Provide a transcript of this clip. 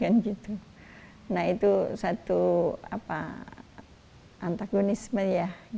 nah itu satu antagonisme ya